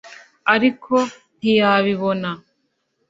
ariko ntiyabibona